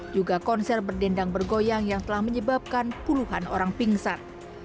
juga konser berdendang bergoyang yang telah menyebabkan puluhan orang pingsan